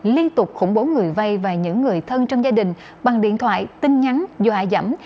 liên tục khủng bố người vây và những người thân trong gia đình bằng điện thoại tin nhắn dò dẫm